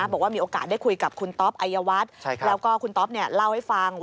บอกว่ามีโอกาสได้คุยกับคุณต๊อปอายวัฒน์แล้วก็คุณต๊อปเล่าให้ฟัง